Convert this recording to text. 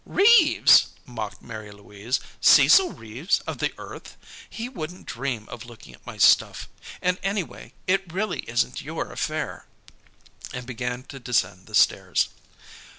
"Reeves!" mocked Mary Louise. "Cecil Reeves, of The Earth? He wouldn't dream of looking at my stuff. And anyway, it really isn't your affair." And began to descend the stairs.